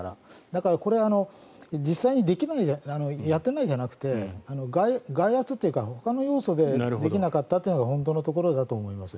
だから、実際にやっていないんじゃなくて外圧というかほかの要素でできなかったのが本当のところだと思います。